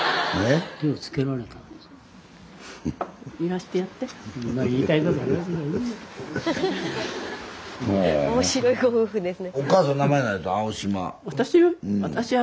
スタジオ面白いご夫婦ですね。